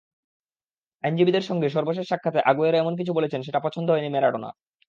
আইনজীবীদের সঙ্গে সর্বশেষ সাক্ষাতে আগুয়েরো এমন কিছু বলেছেন, সেটা পছন্দ হয়নি ম্যারাডোনার।